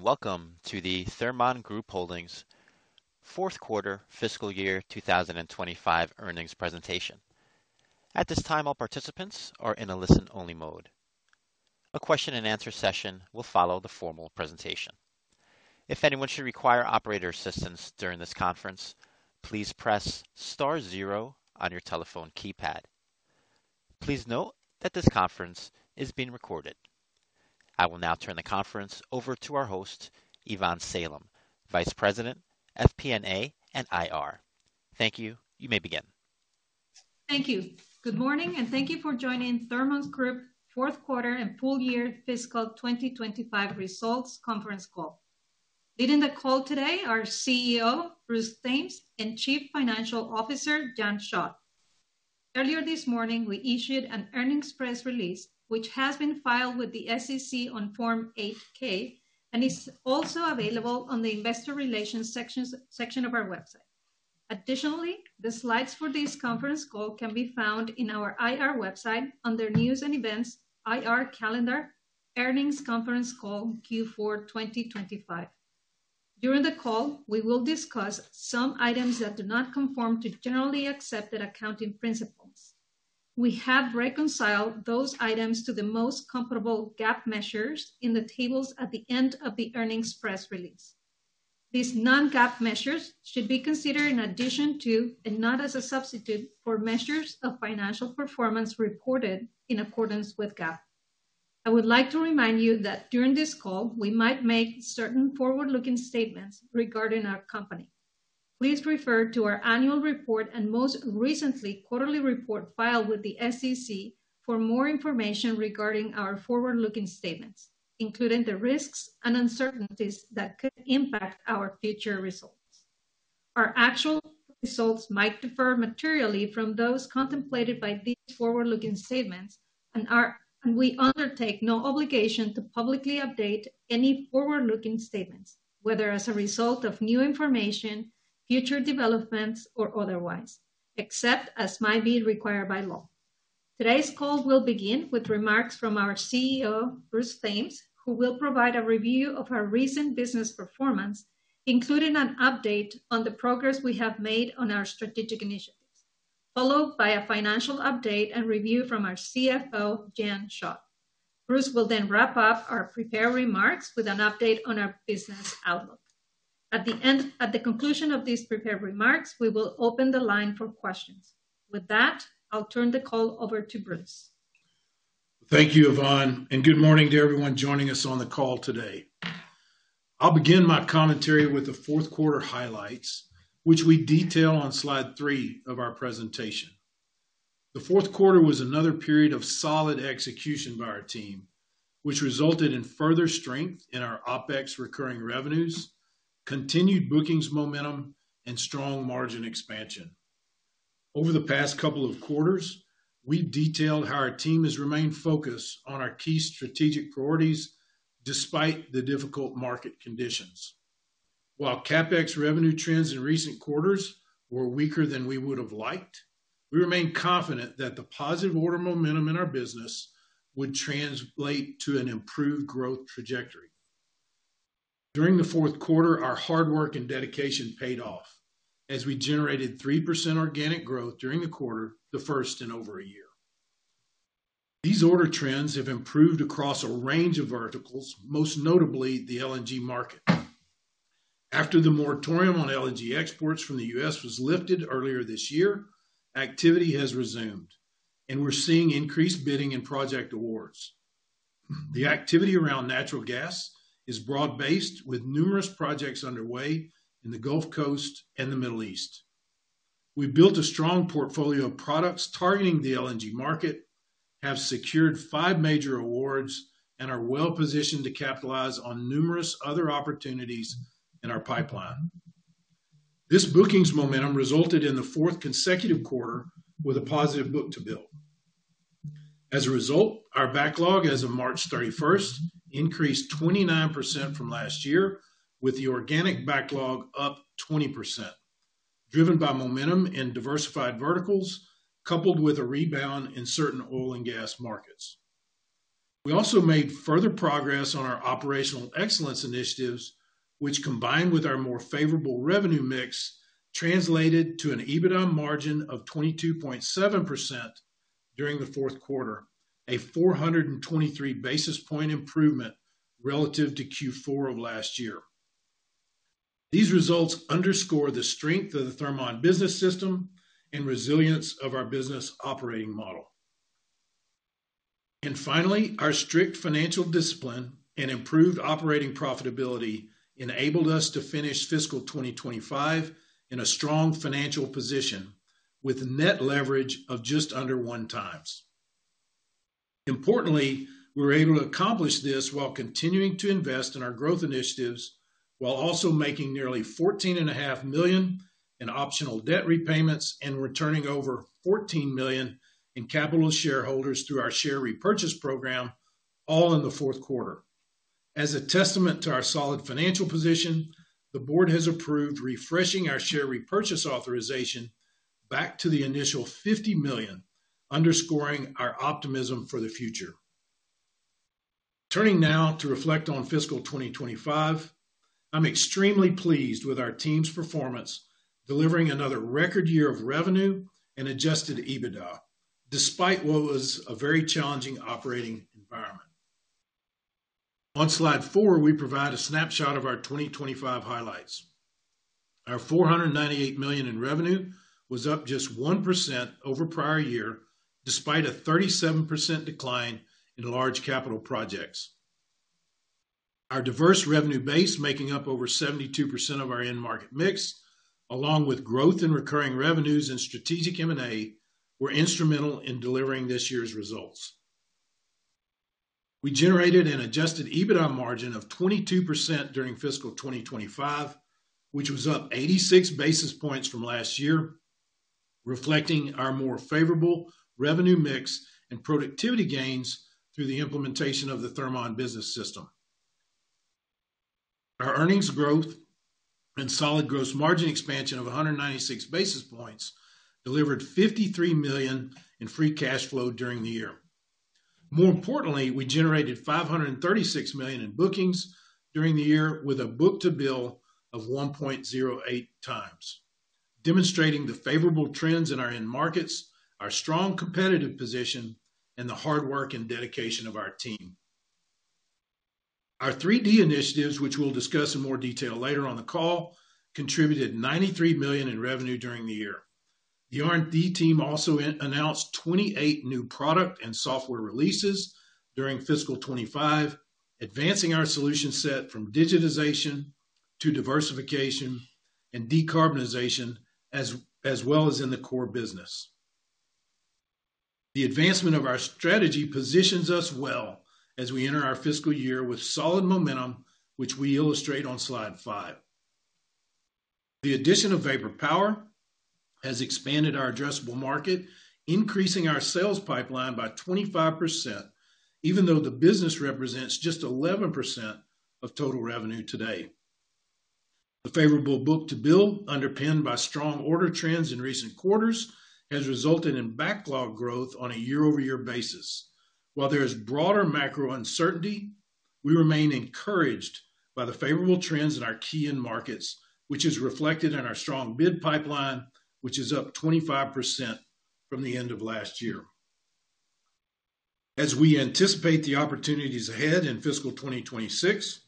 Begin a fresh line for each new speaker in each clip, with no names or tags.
Welcome to the Thermon Group Holdings Fourth Quarter Fiscal Year 2025 earnings presentation. At this time, all participants are in a listen-only mode. A question-and-answer session will follow the formal presentation. If anyone should require operator assistance during this conference, please press star zero on your telephone keypad. Please note that this conference is being recorded. I will now turn the conference over to our host, Ivonne Salem, Vice President, FP&A and IR. Thank you. You may begin.
Thank you. Good morning, and thank you for joining Thermon Group's Fourth Quarter and Full Year Fiscal 2025 Results Conference Call. Leading the call today are CEO Bruce Thames and Chief Financial Officer Jan Schot. Earlier this morning, we issued an earnings press release, which has been filed with the SEC on Form 8-K, and is also available on the Investor Relations section of our website. Additionally, the slides for this conference call can be found in our IR website under News and Events, IR Calendar, Earnings Conference Call Q4 2025. During the call, we will discuss some items that do not conform to generally accepted accounting principles. We have reconciled those items to the most comparable GAAP measures in the tables at the end of the earnings press release. These non-GAAP measures should be considered in addition to and not as a substitute for measures of financial performance reported in accordance with GAAP. I would like to remind you that during this call, we might make certain forward-looking statements regarding our company. Please refer to our annual report and most recent quarterly report filed with the SEC for more information regarding our forward-looking statements, including the risks and uncertainties that could impact our future results. Our actual results might differ materially from those contemplated by these forward-looking statements, and we undertake no obligation to publicly update any forward-looking statements, whether as a result of new information, future developments, or otherwise, except as might be required by law. Today's call will begin with remarks from our CEO, Bruce Thames, who will provide a review of our recent business performance, including an update on the progress we have made on our strategic initiatives, followed by a financial update and review from our CFO, Jan Schot. Bruce will then wrap up our prepared remarks with an update on our business outlook. At the conclusion of these prepared remarks, we will open the line for questions. With that, I'll turn the call over to Bruce.
Thank you, Ivonne, and good morning to everyone joining us on the call today. I'll begin my commentary with the fourth quarter highlights, which we detail on slide three of our presentation. The fourth quarter was another period of solid execution by our team, which resulted in further strength in our OpEx recurring revenues, continued bookings momentum, and strong margin expansion. Over the past couple of quarters, we detailed how our team has remained focused on our key strategic priorities despite the difficult market conditions. While CapEx revenue trends in recent quarters were weaker than we would have liked, we remain confident that the positive order momentum in our business would translate to an improved growth trajectory. During the fourth quarter, our hard work and dedication paid off, as we generated 3% organic growth during the quarter, the first in over a year. These order trends have improved across a range of verticals, most notably the LNG market. After the moratorium on LNG exports from the U.S. was lifted earlier this year, activity has resumed, and we're seeing increased bidding and project awards. The activity around natural gas is broad-based, with numerous projects underway in the Gulf Coast and the Middle East. We built a strong portfolio of products targeting the LNG market, have secured five major awards, and are well-positioned to capitalize on numerous other opportunities in our pipeline. This bookings momentum resulted in the fourth consecutive quarter with a positive book to bill. As a result, our backlog as of March 31st increased 29% from last year, with the organic backlog up 20%, driven by momentum in diversified verticals coupled with a rebound in certain oil and gas markets. We also made further progress on our operational excellence initiatives, which, combined with our more favorable revenue mix, translated to an EBITDA margin of 22.7% during the fourth quarter, a 423 basis point improvement relative to Q4 of last year. These results underscore the strength of the Thermon Business System and resilience of our business operating model. Finally, our strict financial discipline and improved operating profitability enabled us to finish fiscal 2025 in a strong financial position with net leverage of just under 1x Importantly, we were able to accomplish this while continuing to invest in our growth initiatives, while also making nearly $14.5 million in optional debt repayments and returning over $14 million in capital to shareholders through our share Repurchase Program, all in the fourth quarter. As a testament to our solid financial position, the board has approved refreshing our share repurchase authorization back to the initial $50 million, underscoring our optimism for the future. Turning now to reflect on fiscal 2025, I'm extremely pleased with our team's performance, delivering another record year of revenue and adjusted EBITDA, despite what was a very challenging operating environment. On slide four, we provide a snapshot of our 2025 highlights. Our $498 million in revenue was up just 1% over prior year, despite a 37% decline in large capital projects. Our diverse revenue base, making up over 72% of our end market mix, along with growth in recurring revenues and strategic M&A, were instrumental in delivering this year's results. We generated an adjusted EBITDA margin of 22% during fiscal 2025, which was up 86 basis points from last year, reflecting our more favorable revenue mix and productivity gains through the implementation of the Thermon Business System. Our earnings growth and solid gross margin expansion of 196 basis points delivered $53 million in free cash flow during the year. More importantly, we generated $536 million in bookings during the year, with a book to bill of 1.08x, demonstrating the favorable trends in our end markets, our strong competitive position, and the hard work and dedication of our team. Our 3D initiatives, which we'll discuss in more detail later on the call, contributed $93 million in revenue during the year. The R&D team also announced 28 new product and software releases during fiscal 2025, advancing our solution set from digitization to diversification and decarbonization, as well as in the core business. The advancement of our strategy positions us well as we enter our fiscal year with solid momentum, which we illustrate on slide five. The addition of Vapor Power has expanded our addressable market, increasing our sales pipeline by 25%, even though the business represents just 11% of total revenue today. The favorable book to bill, underpinned by strong order trends in recent quarters, has resulted in backlog growth on a year-over-year basis. While there is broader macro uncertainty, we remain encouraged by the favorable trends in our key end markets, which is reflected in our strong bid pipeline, which is up 25% from the end of last year. As we anticipate the opportunities ahead in fiscal 2026,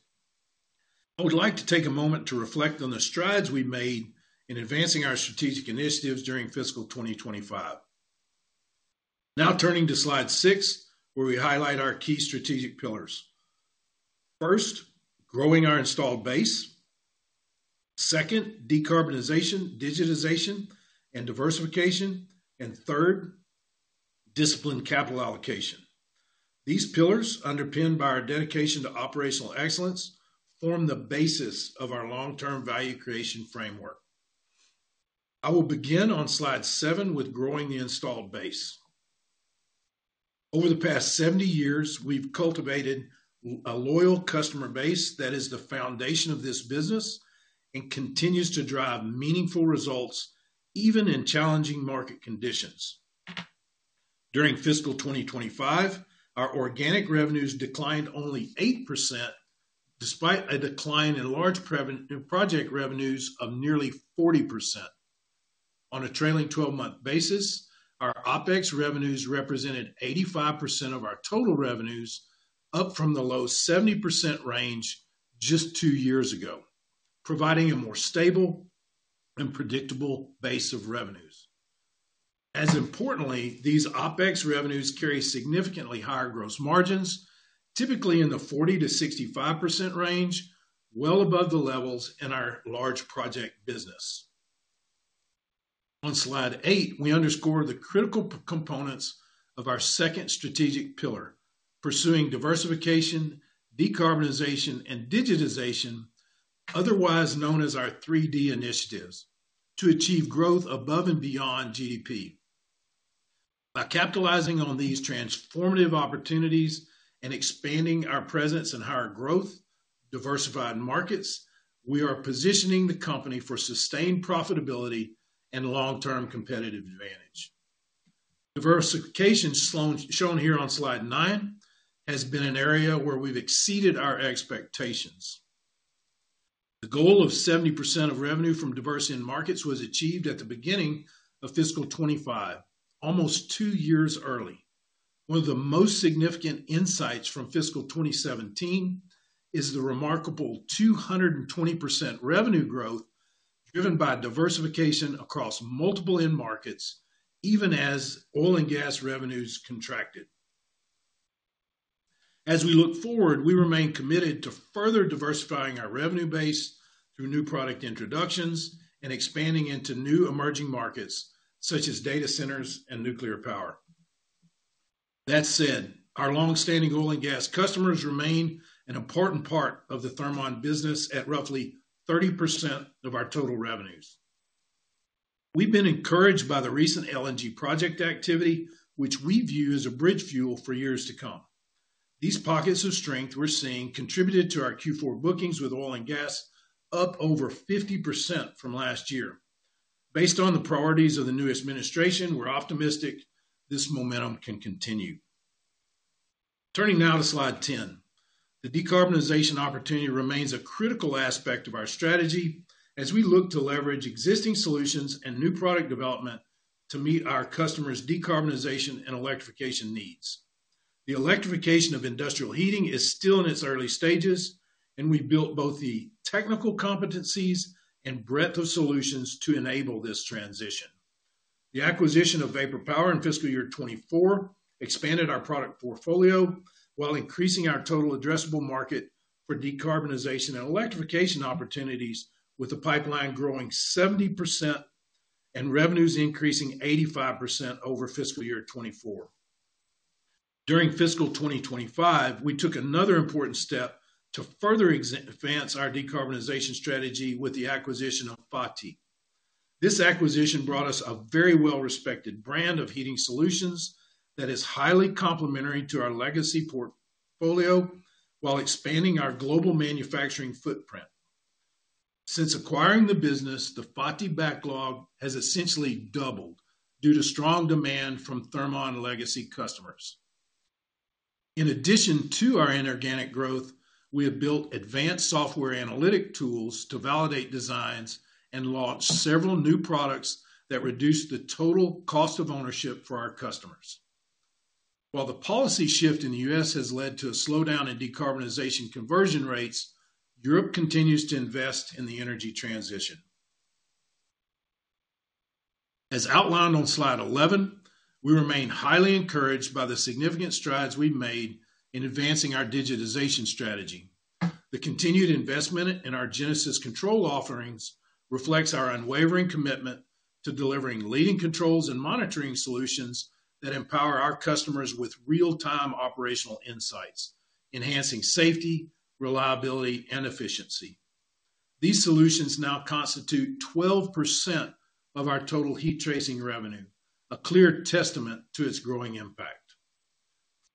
I would like to take a moment to reflect on the strides we made in advancing our strategic initiatives during fiscal 2025. Now turning to slide six, where we highlight our key strategic pillars. First, growing our installed base. Second, decarbonization, digitization, and diversification. Third, disciplined capital allocation. These pillars, underpinned by our dedication to operational excellence, form the basis of our long-term value creation framework. I will begin on slide seven with growing the installed base. Over the past 70 years, we've cultivated a loyal customer base that is the foundation of this business and continues to drive meaningful results even in challenging market conditions. During fiscal 2025, our organic revenues declined only 8%, despite a decline in large project revenues of nearly 40%. On a trailing 12-month basis, our OpEx revenues represented 85% of our total revenues, up from the low 70% range just two years ago, providing a more stable and predictable base of revenues. As importantly, these OpEx revenues carry significantly higher gross margins, typically in the 40%-65% range, well above the levels in our large project business. On slide eight, we underscore the critical components of our second strategic pillar, pursuing diversification, decarbonization, and digitization, otherwise known as our 3D initiatives, to achieve growth above and beyond GDP. By capitalizing on these transformative opportunities and expanding our presence and higher growth, diversified markets, we are positioning the company for sustained profitability and long-term competitive advantage. Diversification, shown here on slide nine, has been an area where we've exceeded our expectations. The goal of 70% of revenue from diverse end markets was achieved at the beginning of fiscal 2025, almost two years early. One of the most significant insights from fiscal 2017 is the remarkable 220% revenue growth driven by diversification across multiple end markets, even as oil and gas revenues contracted. As we look forward, we remain committed to further diversifying our revenue base through new product introductions and expanding into new emerging markets, such as data centers and nuclear power. That said, our long-standing oil and gas customers remain an important part of the Thermon business at roughly 30% of our total revenues. We've been encouraged by the recent LNG project activity, which we view as a bridge fuel for years to come. These pockets of strength we're seeing contributed to our Q4 bookings with oil and gas up over 50% from last year. Based on the priorities of the new administration, we're optimistic this momentum can continue. Turning now to slide 10, the decarbonization opportunity remains a critical aspect of our strategy as we look to leverage existing solutions and new product development to meet our customers' decarbonization and electrification needs. The electrification of industrial heating is still in its early stages, and we built both the technical competencies and breadth of solutions to enable this transition. The acquisition of Vapor Power in fiscal year 2024 expanded our product portfolio while increasing our total addressable market for decarbonization and electrification opportunities, with the pipeline growing 70% and revenues increasing 85% over fiscal year 2024. During fiscal 2025, we took another important step to further advance our decarbonization strategy with the acquisition of F.A.T.I.. This acquisition brought us a very well-respected brand of heating solutions that is highly complementary to our legacy portfolio while expanding our global manufacturing footprint. Since acquiring the business, the F.A.T.I. backlog has essentially doubled due to strong demand from Thermon legacy customers. In addition to our inorganic growth, we have built advanced software analytic tools to validate designs and launch several new products that reduce the total cost of ownership for our customers. While the policy shift in the U.S. has led to a slowdown in decarbonization conversion rates, Europe continues to invest in the energy transition. As outlined on slide 11, we remain highly encouraged by the significant strides we've made in advancing our digitization strategy. The continued investment in our Genesis Control offerings reflects our unwavering commitment to delivering leading controls and monitoring solutions that empower our customers with real-time operational insights, enhancing safety, reliability, and efficiency. These solutions now constitute 12% of our total heat tracing revenue, a clear testament to its growing impact.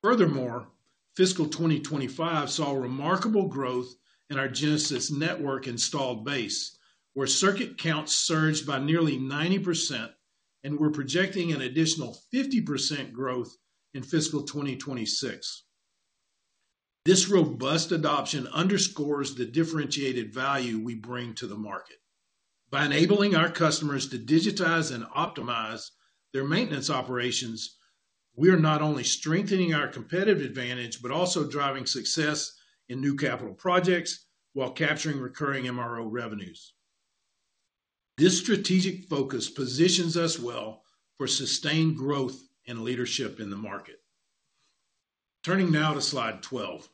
Furthermore, fiscal 2025 saw a remarkable growth in our Genesis Network installed base, where circuit counts surged by nearly 90%, and we're projecting an additional 50% growth in fiscal 2026. This robust adoption underscores the differentiated value we bring to the market. By enabling our customers to digitize and optimize their maintenance operations, we are not only strengthening our competitive advantage, but also driving success in new capital projects while capturing recurring MRO revenues. This strategic focus positions us well for sustained growth and leadership in the market. Turning now to slide 12,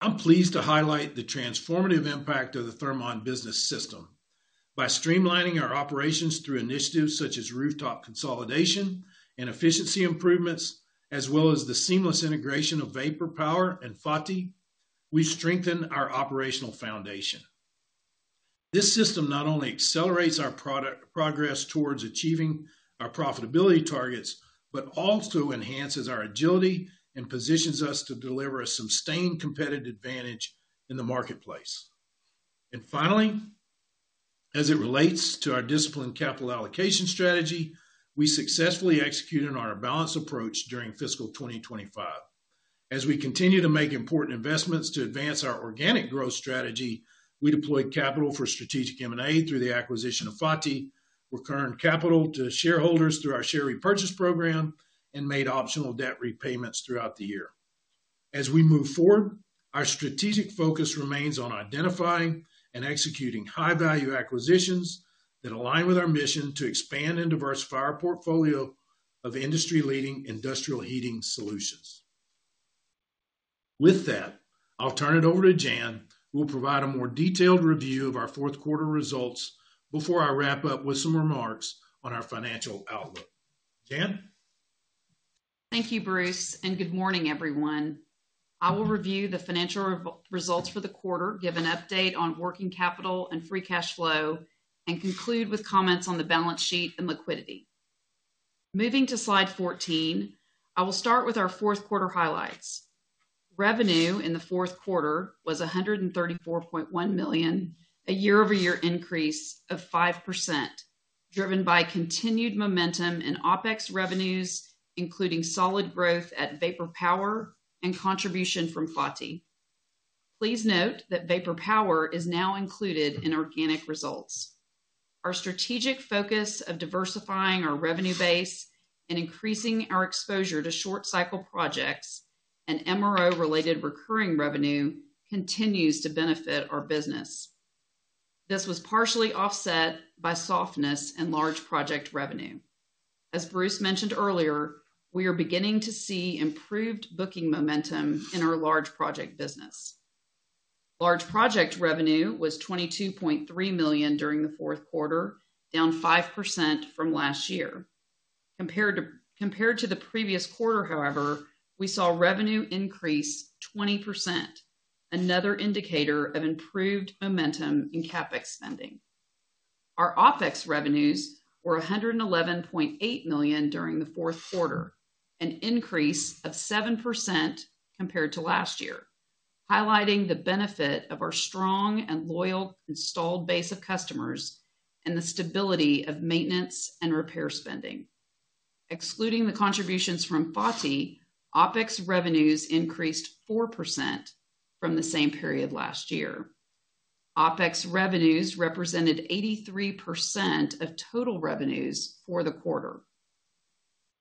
I'm pleased to highlight the transformative impact of the Thermon Business System. By streamlining our operations through initiatives such as rooftop consolidation and efficiency improvements, as well as the seamless integration of Vapor Power and F.A.T.I., we strengthen our operational foundation. This system not only accelerates our progress towards achieving our profitability targets, but also enhances our agility and positions us to deliver a sustained competitive advantage in the marketplace. Finally, as it relates to our disciplined capital allocation strategy, we successfully executed on our balanced approach during fiscal 2025. As we continue to make important investments to advance our organic growth strategy, we deployed capital for strategic M&A through the acquisition of F.A.T.I., recurrent capital to shareholders through our share Repurchase Program, and made optional debt repayments throughout the year. As we move forward, our strategic focus remains on identifying and executing high-value acquisitions that align with our mission to expand and diversify our portfolio of industry-leading industrial heating solutions. With that, I'll turn it over to Jan, who will provide a more detailed review of our fourth quarter results before I wrap up with some remarks on our financial outlook. Jan?
Thank you, Bruce, and good morning, everyone. I will review the financial results for the quarter, give an update on working capital and free cash flow, and conclude with comments on the balance sheet and liquidity. Moving to slide 14, I will start with our fourth quarter highlights. Revenue in the fourth quarter was $134.1 million, a year-over-year increase of 5%, driven by continued momentum in OpEx revenues, including solid growth at Vapor Power and contribution from F.A.T.I.. Please note that Vapor Power is now included in organic results. Our strategic focus of diversifying our revenue base and increasing our exposure to short-cycle projects and MRO-related recurring revenue continues to benefit our business. This was partially offset by softness in large project revenue. As Bruce mentioned earlier, we are beginning to see improved booking momentum in our large project business. Large project revenue was $22.3 million during the fourth quarter, down 5% from last year. Compared to the previous quarter, however, we saw revenue increase 20%, another indicator of improved momentum in CapEx spending. Our OpEx revenues were $111.8 million during the fourth quarter, an increase of 7% compared to last year, highlighting the benefit of our strong and loyal installed base of customers and the stability of maintenance and repair spending. Excluding the contributions from F.A.T.I., OpEx revenues increased 4% from the same period last year. OpEx revenues represented 83% of total revenues for the quarter.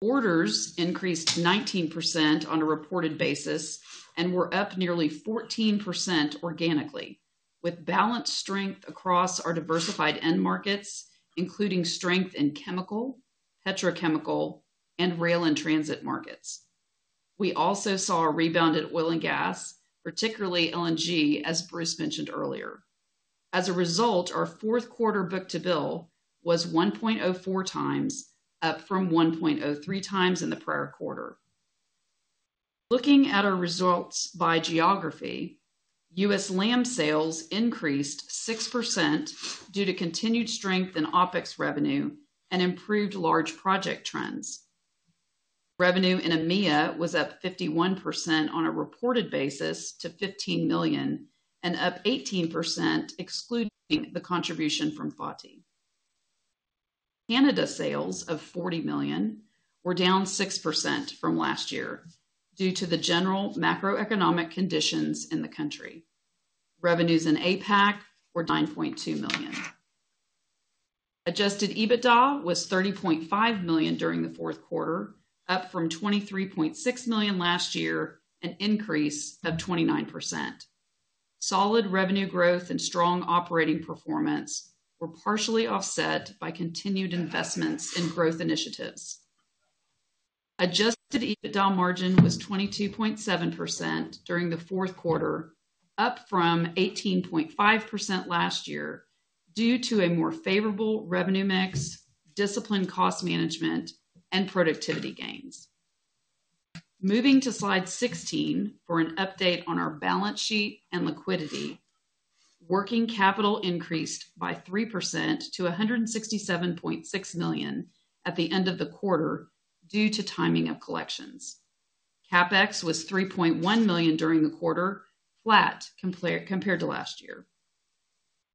Orders increased 19% on a reported basis and were up nearly 14% organically, with balance strength across our diversified end markets, including strength in chemical, petrochemical, and rail and transit markets. We also saw a rebound in oil and gas, particularly LNG, as Bruce mentioned earlier. As a result, our fourth quarter book to bill was 1.04x, up from 1.03x in the prior quarter. Looking at our results by geography, U.S. land sales increased 6% due to continued strength in OpEx revenue and improved large project trends. Revenue in EMEA was up 51% on a reported basis to $15 million, and up 18% excluding the contribution from F.A.T.I.. Canada sales of $40 million were down 6% from last year due to the general macroeconomic conditions in the country. Revenues in APAC were $9.2 million. Adjusted EBITDA was $30.5 million during the fourth quarter, up from $23.6 million last year, an increase of 29%. Solid revenue growth and strong operating performance were partially offset by continued investments in growth initiatives. Adjusted EBITDA margin was 22.7% during the fourth quarter, up from 18.5% last year due to a more favorable revenue mix, disciplined cost management, and productivity gains. Moving to slide 16 for an update on our balance sheet and liquidity. Working capital increased by 3% to $167.6 million at the end of the quarter due to timing of collections. CapEx was $3.1 million during the quarter, flat compared to last year.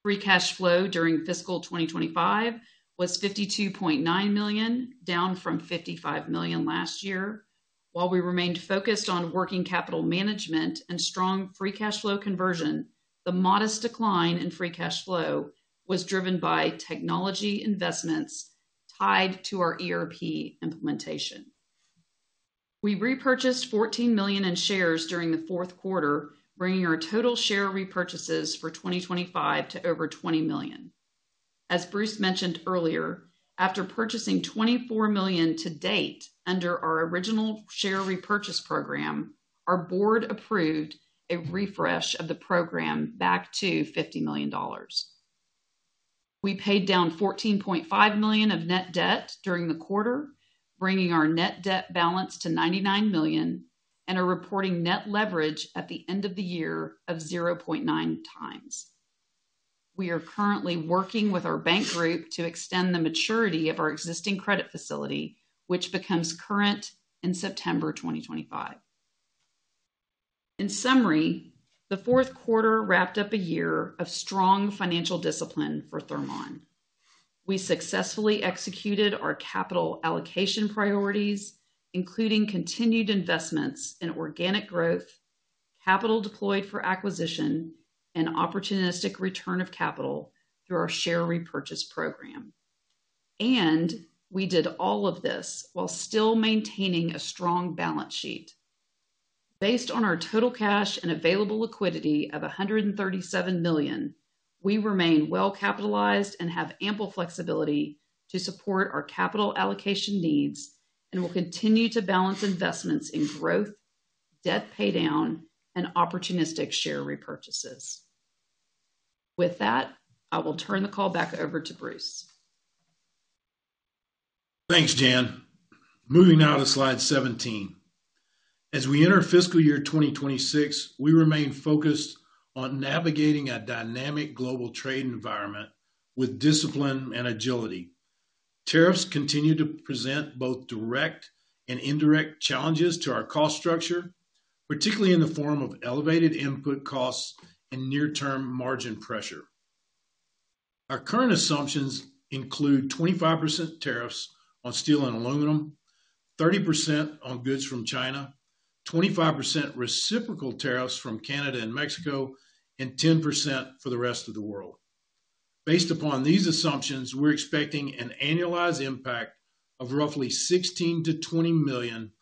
Free cash flow during fiscal 2025 was $52.9 million, down from $55 million last year. While we remained focused on working capital management and strong free cash flow conversion, the modest decline in free cash flow was driven by technology investments tied to our ERP implementation. We repurchased $14 million in shares during the fourth quarter, bringing our total share repurchases for 2025 to over $20 million. As Bruce mentioned earlier, after purchasing $24 million to date under our original share Repurchase Program, our board approved a refresh of the program back to $50 million. We paid down $14.5 million of net debt during the quarter, bringing our net debt balance to $99 million and a reporting net leverage at the end of the year of 0.9x. We are currently working with our bank group to extend the maturity of our existing credit facility, which becomes current in September 2025. In summary, the fourth quarter wrapped up a year of strong financial discipline for Thermon. We successfully executed our capital allocation priorities, including continued investments in organic growth, capital deployed for acquisition, and opportunistic return of capital through our share Repurchase Program. We did all of this while still maintaining a strong balance sheet. Based on our total cash and available liquidity of $137 million, we remain well capitalized and have ample flexibility to support our capital allocation needs and will continue to balance investments in growth, debt paydown, and opportunistic share repurchases. With that, I will turn the call back over to Bruce.
Thanks, Jan. Moving now to slide 17. As we enter fiscal year 2026, we remain focused on navigating a dynamic global trade environment with discipline and agility. Tariffs continue to present both direct and indirect challenges to our cost structure, particularly in the form of elevated input costs and near-term margin pressure. Our current assumptions include 25% tariffs on steel and aluminum, 30% on goods from China, 25% reciprocal tariffs from Canada and Mexico, and 10% for the rest of the world. Based upon these assumptions, we're expecting an annualized impact of roughly $16 million-$20 million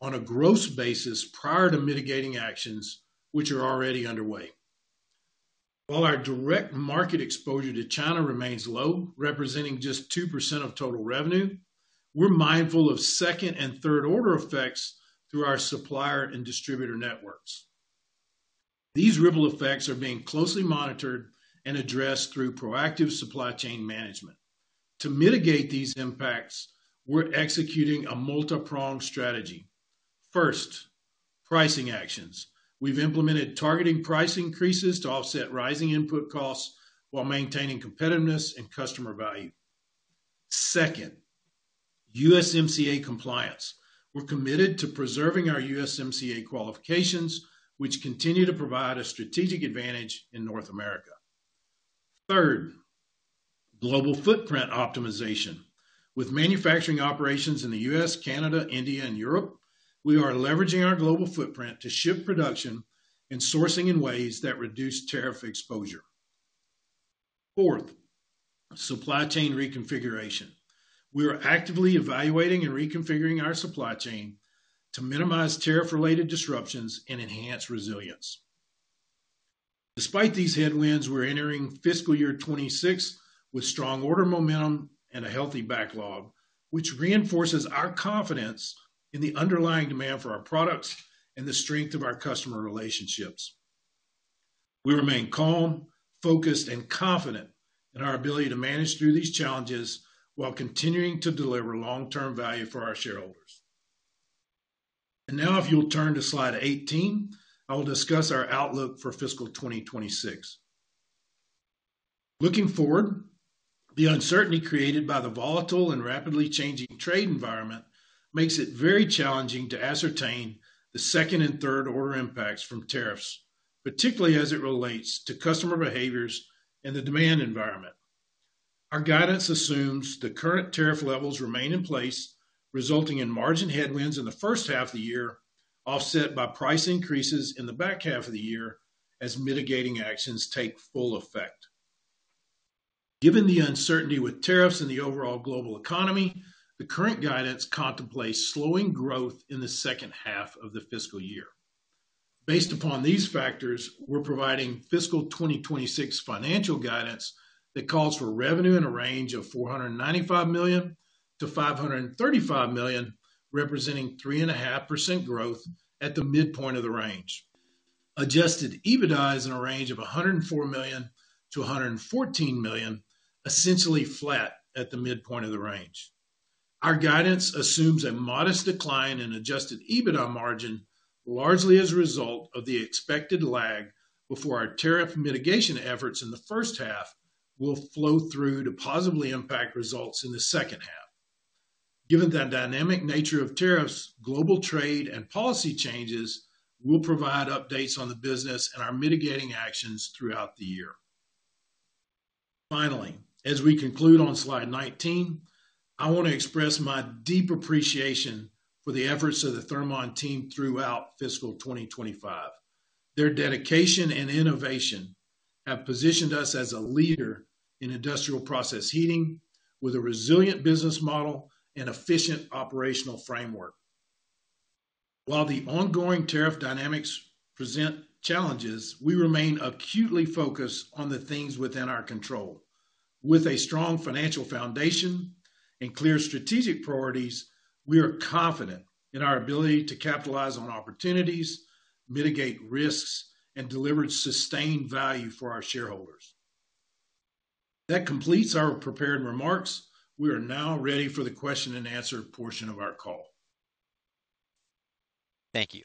on a gross basis prior to mitigating actions, which are already underway. While our direct market exposure to China remains low, representing just 2% of total revenue, we're mindful of second and third-order effects through our supplier and distributor networks. These ripple effects are being closely monitored and addressed through proactive supply chain management. To mitigate these impacts, we're executing a multi-pronged strategy. First, pricing actions. We've implemented targeted price increases to offset rising input costs while maintaining competitiveness and customer value. Second, USMCA compliance. We're committed to preserving our USMCA qualifications, which continue to provide a strategic advantage in North America. Third, global footprint optimization. With manufacturing operations in the U.S., Canada, India, and Europe, we are leveraging our global footprint to shift production and sourcing in ways that reduce tariff exposure. Fourth, supply chain reconfiguration. We are actively evaluating and reconfiguring our supply chain to minimize tariff-related disruptions and enhance resilience. Despite these headwinds, we're entering fiscal year 2026 with strong order momentum and a healthy backlog, which reinforces our confidence in the underlying demand for our products and the strength of our customer relationships. We remain calm, focused, and confident in our ability to manage through these challenges while continuing to deliver long-term value for our shareholders. Now if you'll turn to slide 18, I will discuss our outlook for fiscal 2026. Looking forward, the uncertainty created by the volatile and rapidly changing trade environment makes it very challenging to ascertain the second and third-order impacts from tariffs, particularly as it relates to customer behaviors and the demand environment. Our guidance assumes the current tariff levels remain in place, resulting in margin headwinds in the first half of the year, offset by price increases in the back half of the year as mitigating actions take full effect. Given the uncertainty with tariffs in the overall global economy, the current guidance contemplates slowing growth in the second half of the fiscal year. Based upon these factors, we're providing fiscal 2026 financial guidance that calls for revenue in a range of $495 million-$535 million, representing 3.5% growth at the midpoint of the range. Adjusted EBITDA is in a range of $104 million-$114 million, essentially flat at the midpoint of the range. Our guidance assumes a modest decline in adjusted EBITDA margin, largely as a result of the expected lag before our tariff mitigation efforts in the first half will flow through to positively impact results in the second half. Given the dynamic nature of tariffs, global trade and policy changes will provide updates on the business and our mitigating actions throughout the year. Finally, as we conclude on slide 19, I want to express my deep appreciation for the efforts of the Thermon team throughout fiscal 2025. Their dedication and innovation have positioned us as a leader in industrial process heating with a resilient business model and efficient operational framework. While the ongoing tariff dynamics present challenges, we remain acutely focused on the things within our control. With a strong financial foundation and clear strategic priorities, we are confident in our ability to capitalize on opportunities, mitigate risks, and deliver sustained value for our shareholders. That completes our prepared remarks. We are now ready for the question-and-answer portion of our call.
Thank you.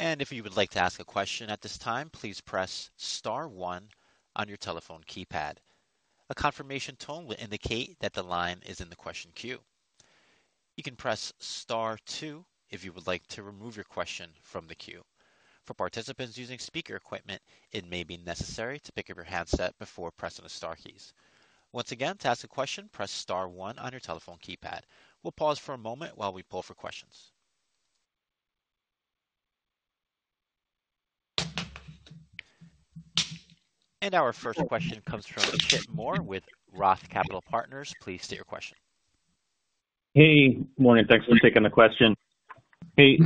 If you would like to ask a question at this time, please press star one on your telephone keypad. A confirmation tone will indicate that the line is in the question queue. You can press star two if you would like to remove your question from the queue. For participants using speaker equipment, it may be necessary to pick up your handset before pressing the star keys. Once again, to ask a question, press star one on your telephone keypad. We'll pause for a moment while we poll for questions. Our first question comes from Chip Moore with Roth Capital Partners. Please state your question.
Hey, good morning. Thanks for taking the question. Hey,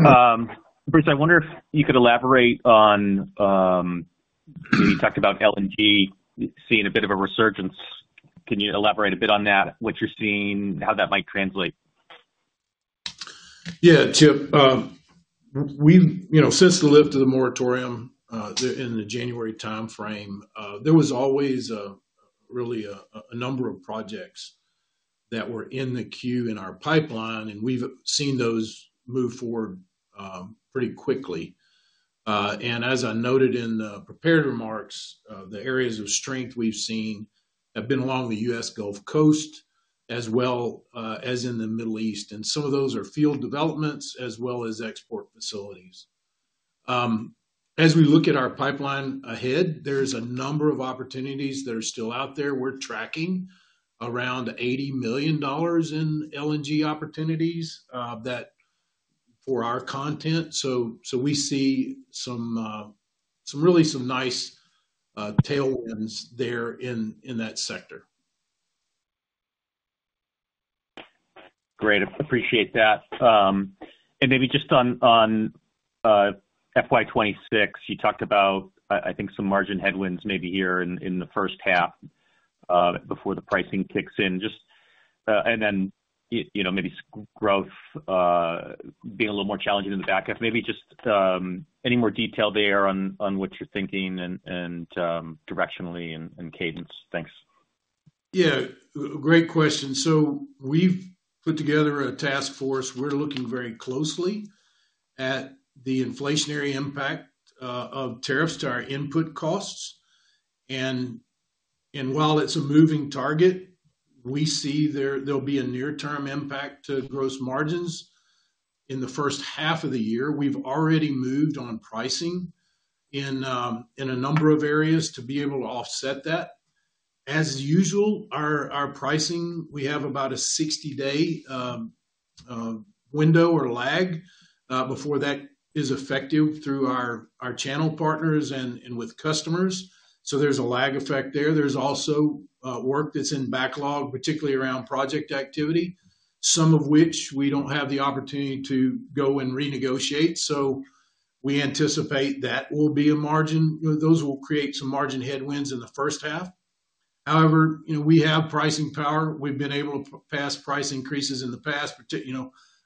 Bruce, I wonder if you could elaborate on, you talked about LNG seeing a bit of a resurgence. Can you elaborate a bit on that, what you're seeing, how that might translate?
Yeah, Chip, since the lift of the moratorium in the January timeframe, there was always really a number of projects that were in the queue in our pipeline, and we've seen those move forward pretty quickly. As I noted in the prepared remarks, the areas of strength we've seen have been along the U.S. Gulf Coast as well as in the Middle East. Some of those are field developments as well as export facilities. As we look at our pipeline ahead, there's a number of opportunities that are still out there. We're tracking around $80 million in LNG opportunities for our content. We see really some nice tailwinds there in that sector.
Great. Appreciate that. Maybe just on FY2026, you talked about, I think, some margin headwinds maybe here in the first half before the pricing kicks in. Then maybe growth being a little more challenging in the back half. Maybe just any more detail there on what you're thinking and directionally and cadence. Thanks.
Yeah, great question. We've put together a task force. We're looking very closely at the inflationary impact of tariffs to our input costs. While it's a moving target, we see there'll be a near-term impact to gross margins in the first half of the year. We've already moved on pricing in a number of areas to be able to offset that. As usual, our pricing, we have about a 60-day window or lag before that is effective through our channel partners and with customers. There is a lag effect there. There is also work that is in backlog, particularly around project activity, some of which we don't have the opportunity to go and renegotiate. We anticipate that will be a margin. Those will create some margin headwinds in the first half. However, we have pricing power. We've been able to pass price increases in the past.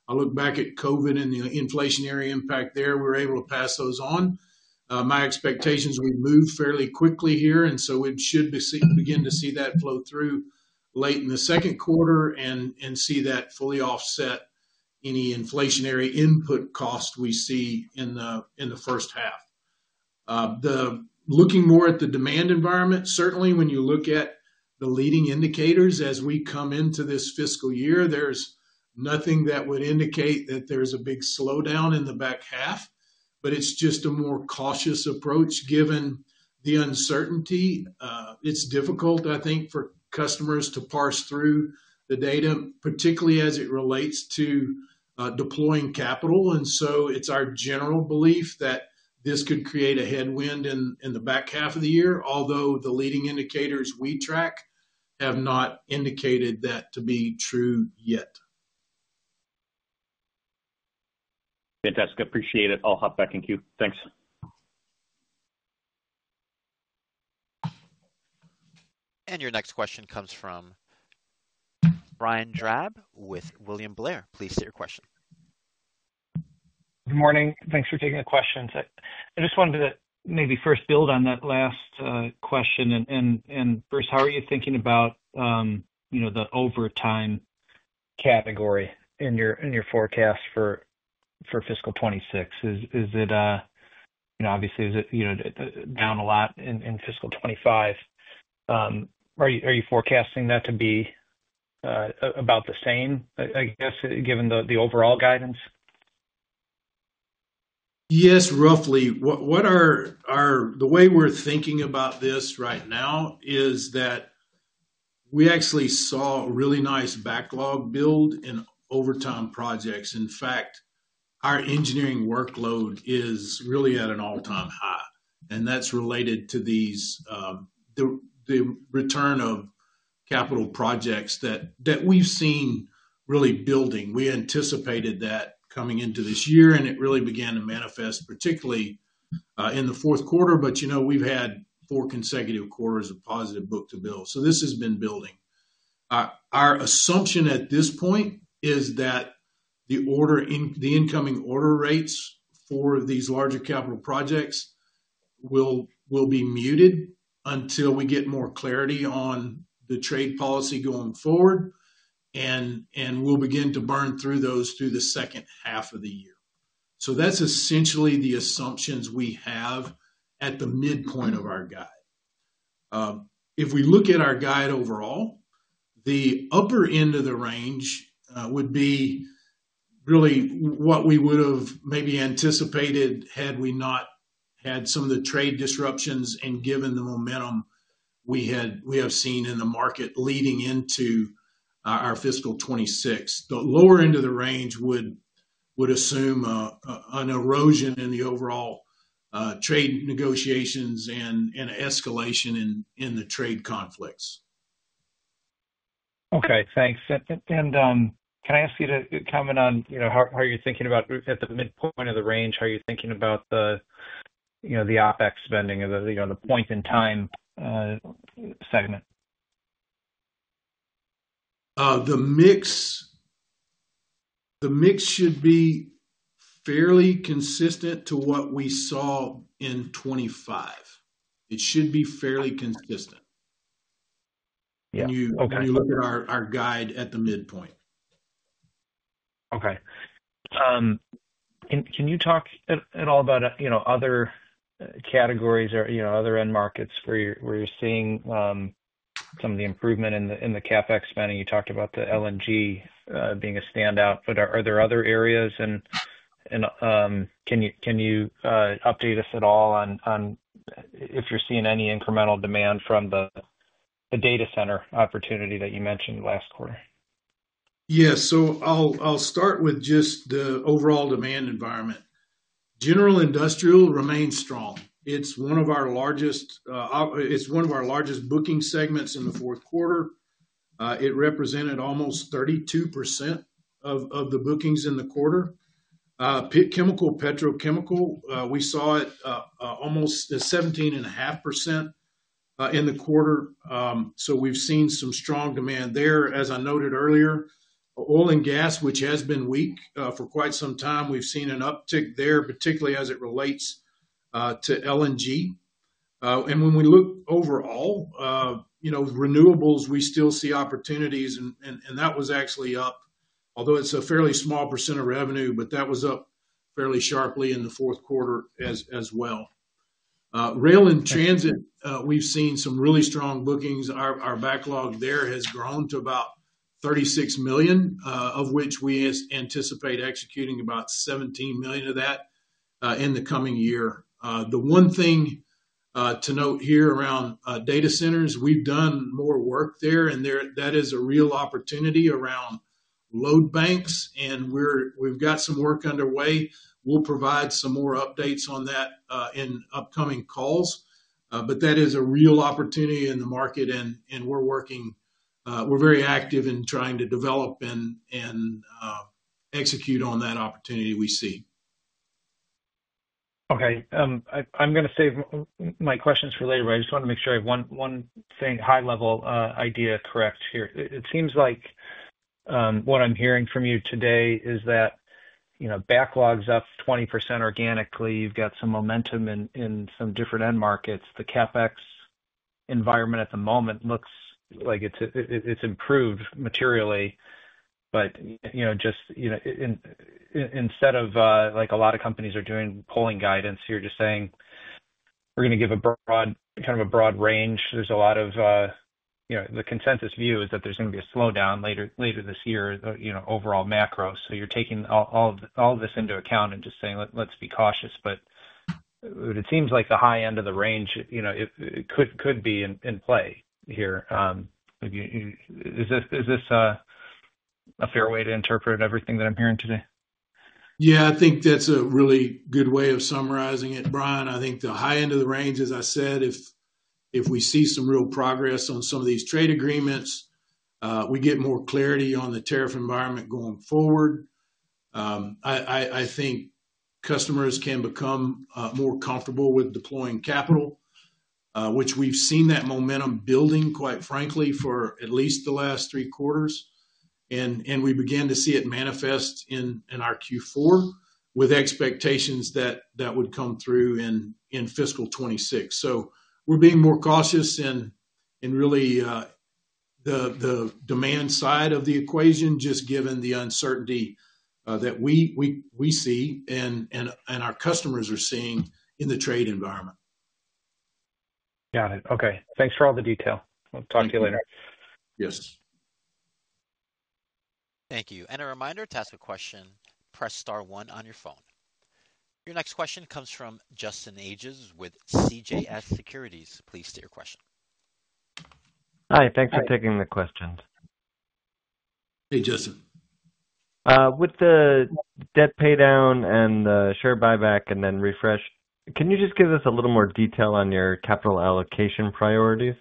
I look back at COVID and the inflationary impact there. We were able to pass those on. My expectations would move fairly quickly here. We should begin to see that flow through late in the second quarter and see that fully offset any inflationary input cost we see in the first half. Looking more at the demand environment, certainly when you look at the leading indicators as we come into this fiscal year, there's nothing that would indicate that there's a big slowdown in the back half, but it's just a more cautious approach given the uncertainty. It's difficult, I think, for customers to parse through the data, particularly as it relates to deploying capital. It's our general belief that this could create a headwind in the back half of the year, although the leading indicators we track have not indicated that to be true yet.
Fantastic. Appreciate it. I'll hop back in queue. Thanks.
Your next question comes from Brian Drab with William Blair. Please state your question.
Good morning. Thanks for taking the question. I just wanted to maybe first build on that last question. Bruce, how are you thinking about the overtime category in your forecast for fiscal 2026? Is it obviously down a lot in fiscal 2025? Are you forecasting that to be about the same, I guess, given the overall guidance?
Yes, roughly. The way we're thinking about this right now is that we actually saw a really nice backlog build in overtime projects. In fact, our engineering workload is really at an all-time high. That's related to the return of capital projects that we've seen really building. We anticipated that coming into this year, and it really began to manifest particularly in the fourth quarter. We've had four consecutive quarters of positive book to bill. This has been building. Our assumption at this point is that the incoming order rates for these larger capital projects will be muted until we get more clarity on the trade policy going forward, and we'll begin to burn through those through the second half of the year. That's essentially the assumptions we have at the midpoint of our guide. If we look at our guide overall, the upper end of the range would be really what we would have maybe anticipated had we not had some of the trade disruptions and given the momentum we have seen in the market leading into our fiscal 2026. The lower end of the range would assume an erosion in the overall trade negotiations and escalation in the trade conflicts.
Okay. Thanks. Can I ask you to comment on how you're thinking about at the midpoint of the range, how you're thinking about the OpEx spending or the point-in-time segment?
The mix should be fairly consistent to what we saw in 2025. It should be fairly consistent when you look at our guide at the midpoint.
Okay. Can you talk at all about other categories or other end markets where you're seeing some of the improvement in the CapEx spending? You talked about the LNG being a standout, but are there other areas? Can you update us at all on if you're seeing any incremental demand from the data center opportunity that you mentioned last quarter?
Yeah. I'll start with just the overall demand environment. General industrial remains strong. It's one of our largest booking segments in the fourth quarter. It represented almost 32% of the bookings in the quarter. Chemical, petrochemical, we saw it almost 17.5% in the quarter. We've seen some strong demand there. As I noted earlier, oil and gas, which has been weak for quite some time, we've seen an uptick there, particularly as it relates to LNG. When we look overall, renewables, we still see opportunities. That was actually up, although it is a fairly small percent of revenue, but that was up fairly sharply in the fourth quarter as well. Rail and transit, we've seen some really strong bookings. Our backlog there has grown to about $36 million, of which we anticipate executing about $17 million of that in the coming year. The one thing to note here around data centers, we've done more work there, and that is a real opportunity around load banks. We've got some work underway. We'll provide some more updates on that in upcoming calls. That is a real opportunity in the market, and we're very active in trying to develop and execute on that opportunity we see.
Okay. I'm going to save my questions for later, but I just want to make sure I have one thing high-level idea correct here. It seems like what I'm hearing from you today is that backlog's up 20% organically. You've got some momentum in some different end markets. The CapEx environment at the moment looks like it's improved materially. Just instead of like a lot of companies are doing, pulling guidance, you're just saying, "We're going to give a broad range." There's a lot of the consensus view is that there's going to be a slowdown later this year, overall macro. You're taking all of this into account and just saying, "Let's be cautious." It seems like the high end of the range could be in play here. Is this a fair way to interpret everything that I'm hearing today?
Yeah, I think that's a really good way of summarizing it, Brian. I think the high end of the range, as I said, if we see some real progress on some of these trade agreements, we get more clarity on the tariff environment going forward. I think customers can become more comfortable with deploying capital, which we've seen that momentum building, quite frankly, for at least the last three quarters. We began to see it manifest in our Q4 with expectations that would come through in fiscal 2026. We are being more cautious in really the demand side of the equation, just given the uncertainty that we see and our customers are seeing in the trade environment.
Got it. Okay. Thanks for all the detail. We'll talk to you later.
Yes.
Thank you. A reminder to ask a question, press star one on your phone. Your next question comes from Justin Ages with CJS Securities. Please state your question.
Hi. Thanks for taking the question.
Hey, Justin.
With the debt paydown and the share buyback and then refresh, can you just give us a little more detail on your capital allocation priorities?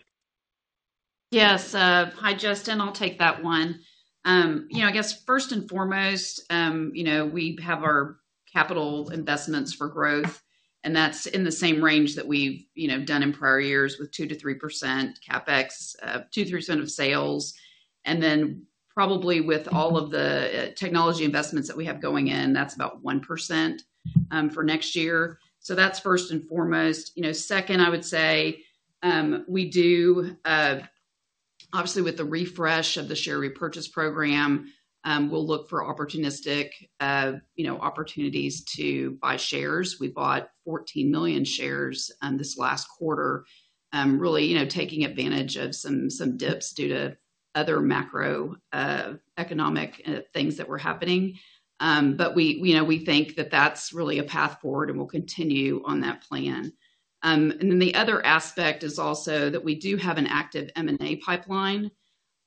Yes. Hi, Justin. I'll take that one. I guess first and foremost, we have our capital investments for growth, and that's in the same range that we've done in prior years with 2%-3% CapEx, 2-3% of sales. Then probably with all of the technology investments that we have going in, that's about 1% for next year. That's first and foremost. Second, I would say we do, obviously, with the refresh of the share Repurchase Program, we look for opportunistic opportunities to buy shares. We bought 14 million shares this last quarter, really taking advantage of some dips due to other macroeconomic things that were happening. We think that that's really a path forward, and we'll continue on that plan. The other aspect is also that we do have an active M&A pipeline.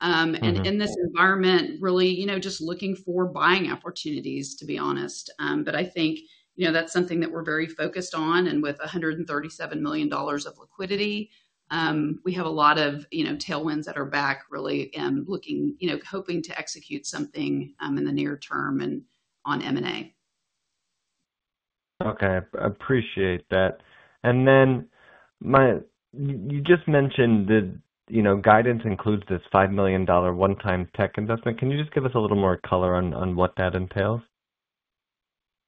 In this environment, really just looking for buying opportunities, to be honest. I think that's something that we're very focused on. With $137 million of liquidity, we have a lot of tailwinds that are back, really looking, hoping to execute something in the near term on M&A.
Okay. I appreciate that. You just mentioned that guidance includes this $5 million one-time tech investment. Can you just give us a little more color on what that entails?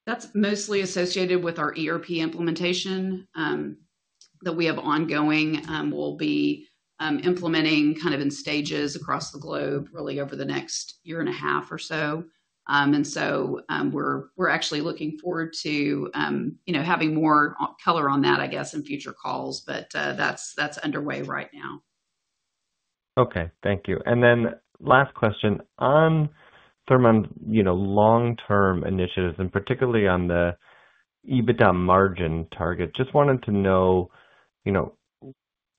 That's mostly associated with our ERP implementation that we have ongoing. We'll be implementing kind of in stages across the globe, really over the next year and a half or so. We're actually looking forward to having more color on that, I guess, in future calls. That's underway right now.
Okay. Thank you. Last question. On Thermon long-term initiatives, and particularly on the EBITDA margin target, just wanted to know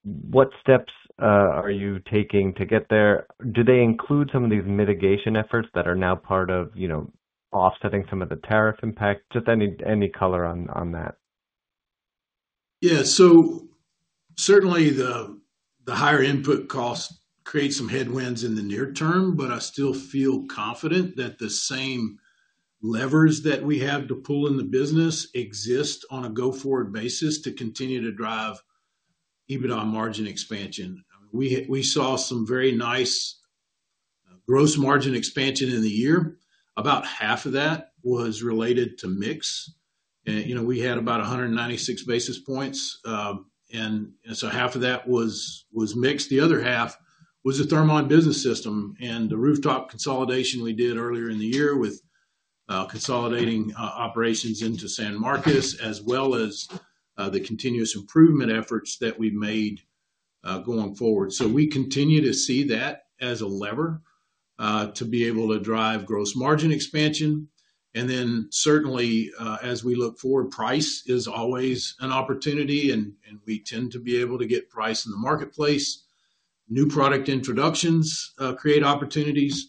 what steps are you taking to get there? Do they include some of these mitigation efforts that are now part of offsetting some of the tariff impact? Just any color on that.
Yeah. Certainly the higher input cost creates some headwinds in the near term, but I still feel confident that the same levers that we have to pull in the business exist on a go-forward basis to continue to drive EBITDA margin expansion. We saw some very nice gross margin expansion in the year. About half of that was related to mix. We had about 196 basis points. Half of that was mix. The other half was the Thermon Business System and the rooftop consolidation we did earlier in the year with consolidating operations into San Marcos, as well as the continuous improvement efforts that we've made going forward. We continue to see that as a lever to be able to drive gross margin expansion. Certainly, as we look forward, price is always an opportunity, and we tend to be able to get price in the marketplace. New product introductions create opportunities.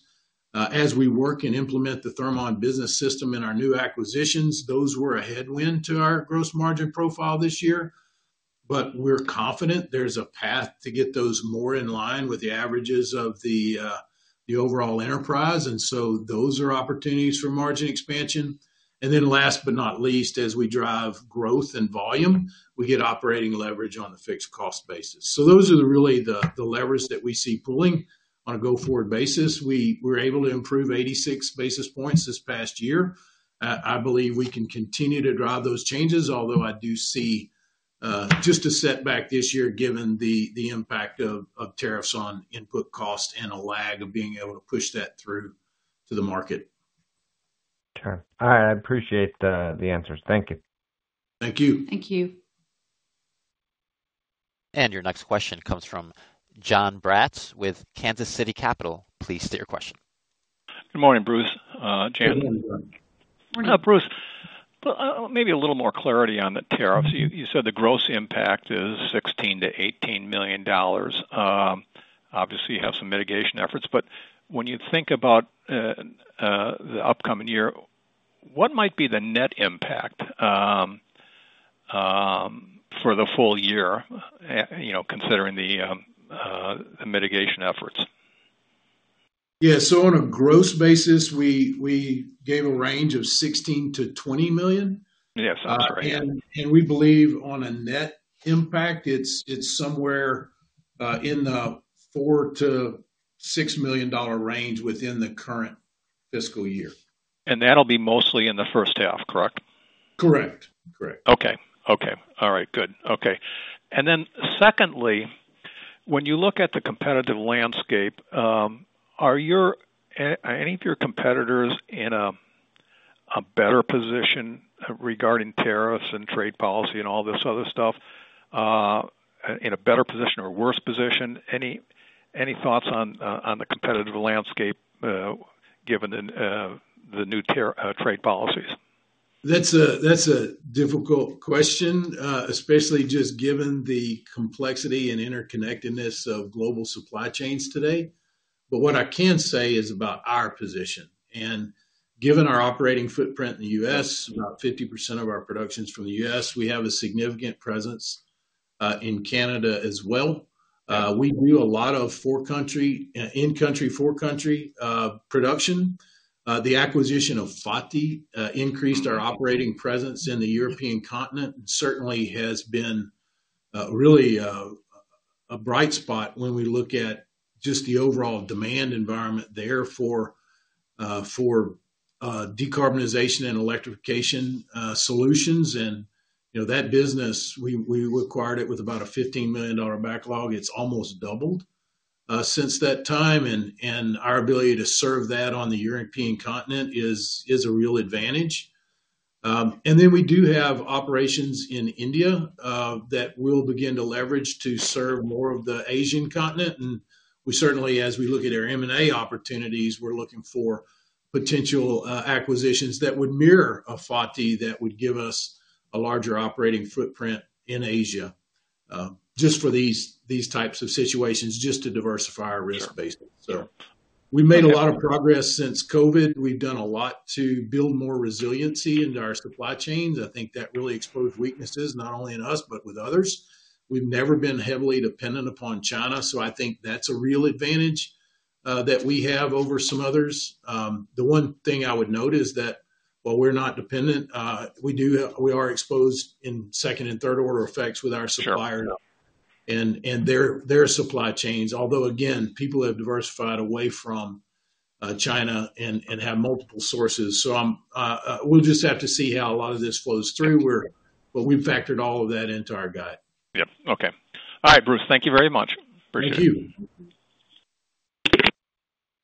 As we work and implement the Thermon Business System in our new acquisitions, those were a headwind to our gross margin profile this year. We are confident there is a path to get those more in line with the averages of the overall enterprise. Those are opportunities for margin expansion. Last but not least, as we drive growth and volume, we get operating leverage on a fixed cost basis. Those are really the levers that we see pulling on a go-forward basis. We were able to improve 86 basis points this past year. I believe we can continue to drive those changes, although I do see just a setback this year given the impact of tariffs on input cost and a lag of being able to push that through to the market.
Sure. All right. I appreciate the answers. Thank you.
Thank you.
Thank you.
Your next question comes from John Bratz with Kansas City Capital. Please state your question.
Good morning, Bruce Thames. Good morning, Bruce. Maybe a little more clarity on the tariffs. You said the gross impact is $16 million-$18 million. Obviously, you have some mitigation efforts. When you think about the upcoming year, what might be the net impact for the full year, considering the mitigation efforts?
Yeah. On a gross basis, we gave a range of $16 million-$20 million.
Yes. That's right.
We believe on a net impact, it's somewhere in the $4 million-$6 million range within the current fiscal year.
That'll be mostly in the first half, correct?
Correct.
Okay. All right. Good. Secondly, when you look at the competitive landscape, are any of your competitors in a better position regarding tariffs and trade policy and all this other stuff, in a better position or worse position? Any thoughts on the competitive landscape given the new trade policies?
That's a difficult question, especially just given the complexity and interconnectedness of global supply chains today. What I can say is about our position. Given our operating footprint in the U.S., about 50% of our production's from the U.S., we have a significant presence in Canada as well. We do a lot of in-country, for-country production. The acquisition of F.A.T.I. increased our operating presence in the European continent and certainly has been really a bright spot when we look at just the overall demand environment there for decarbonization and electrification solutions. That business, we acquired it with about a $15 million backlog. It's almost doubled since that time. Our ability to serve that on the European continent is a real advantage. We do have operations in India that we will begin to leverage to serve more of the Asian continent. We certainly, as we look at our M&A opportunities, are looking for potential acquisitions that would mirror a F.A.T.I. that would give us a larger operating footprint in Asia just for these types of situations, just to diversify our risk base. We made a lot of progress since COVID. We've done a lot to build more resiliency into our supply chains. I think that really exposed weaknesses, not only in us, but with others. We've never been heavily dependent upon China. I think that's a real advantage that we have over some others. The one thing I would note is that while we're not dependent, we are exposed in second and third-order effects with our suppliers. And their supply chains, although, again, people have diversified away from China and have multiple sources. We'll just have to see how a lot of this flows through. We've factored all of that into our guide.
Yes. Okay. All right, Bruce. Thank you very much. Appreciate it.
Thank you.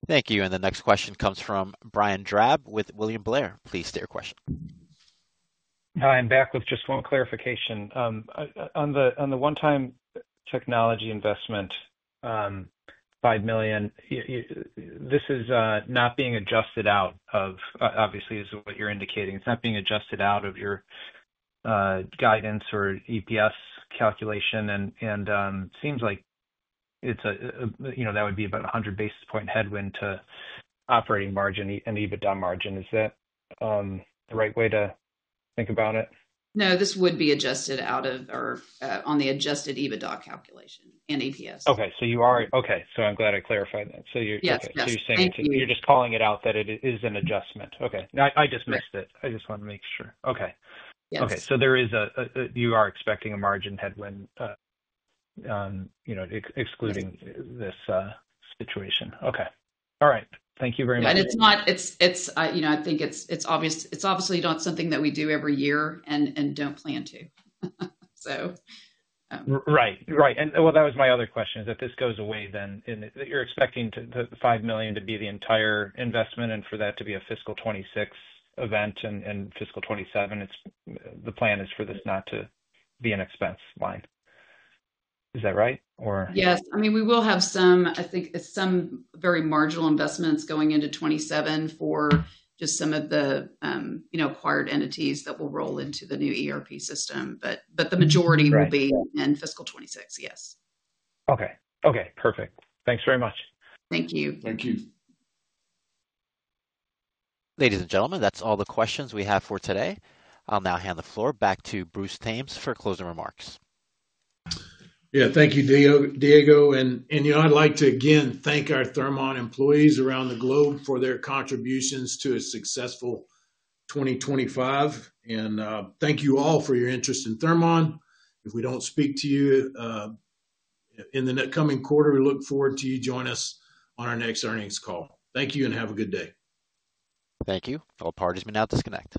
Thank you. The next question comes from Brian Drab with William Blair. Please state your question.
Hi. I'm back with just one clarification. On the one-time technology investment, $5 million, this is not being adjusted out of, obviously, is what you're indicating. It's not being adjusted out of your guidance or EPS calculation. And it seems like that would be about 100 basis point headwind to operating margin and EBITDA margin. Is that the right way to think about it?
No, this would be adjusted out of or on the adjusted EBITDA calculation and EPS.
Okay. So you are okay. So I'm glad I clarified that. So you're saying you're just calling it out that it is an adjustment. Okay. I just missed it. I just wanted to make sure. Okay. So you are expecting a margin headwind excluding this situation. Okay. All right. Thank you very much.
It's obviously not something that we do every year and don't plan to, so.
Right. That was my other question, that if this goes away, then you're expecting the $5 million to be the entire investment and for that to be a fiscal 2026 event and fiscal 2027. The plan is for this not to be an expense line. Is that right, or?
Yes. I mean, we will have some very marginal investments going into 2027 for just some of the acquired entities that will roll into the new ERP system. But the majority will be in fiscal 2026, yes.
Okay. Perfect. Thanks very much.
Thank you.
Thank you.
Ladies and gentlemen, that's all the questions we have for today. I'll now hand the floor back to Bruce Thames for closing remarks.
Yeah. Thank you, Diego. And I'd like to, again, thank our Thermon employees around the globe for their contributions to a successful 2025. Thank you all for your interest in Thermon. If we don't speak to you in the coming quarter, we look forward to you joining us on our next earnings call. Thank you and have a good day.
Thank you. All parties may now disconnect.